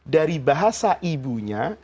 dari bahasa ibunya